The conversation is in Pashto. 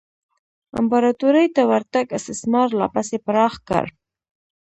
امپراتورۍ ته ورتګ استثمار لا پسې پراخ کړ.